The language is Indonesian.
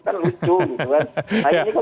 kan lucu gitu kan